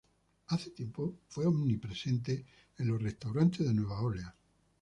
Hace tiempo fue omnipresente en los restaurantes de Nueva Orleans.